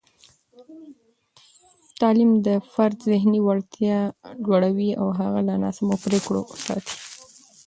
تعلیم د فرد ذهني وړتیا لوړوي او هغه له ناسمو پرېکړو ساتي.